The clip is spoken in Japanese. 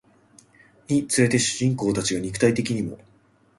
につれて主人公たちが肉体的にも